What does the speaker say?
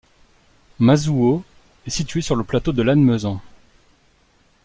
Mazouau est situé sur le plateau de Lannemezan.